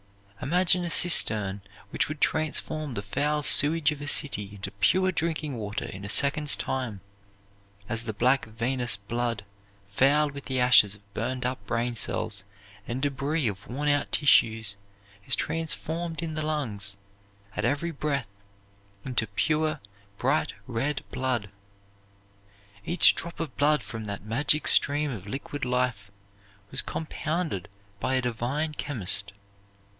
Imagine a cistern which would transform the foul sewage of a city into pure drinking water in a second's time, as the black venous blood, foul with the ashes of burned up brain cells and débris of worn out tissues, is transformed in the lungs, at every breath, into pure, bright, red blood. Each drop of blood from that magic stream of liquid life was compounded by a divine Chemist.